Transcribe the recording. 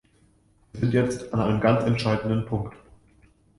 Wir sind jetzt an einem ganz entscheidenden Punkt.